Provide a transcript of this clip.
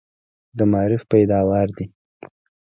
د معارف پیداوار دي.